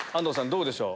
どうでしょう？